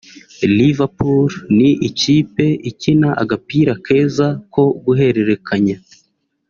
Liverpool ni ikipe ikina agapira keza ko guhererekanya